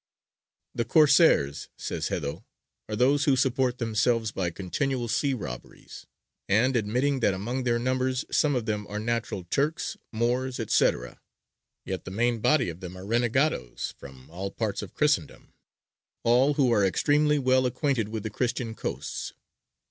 "The Corsairs," says Haedo, "are those who support themselves by continual sea robberies; and, admitting that among their numbers some of them are natural Turks, Moors, &c., yet the main body of them are renegadoes from every part of Christendom; all who are extremely well acquainted with the Christian coasts."